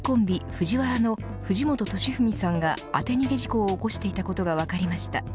ＦＵＪＩＷＡＲＡの藤本敏史さんが当て逃げ事故を起こしていたことが分かりました。